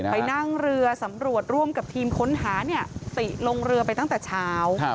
ไปนั่งเรือสำรวจร่วมกับทีมค้นหาเนี่ยติลงเรือไปตั้งแต่เช้า